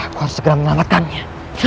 aku harus segera menyelamatkannya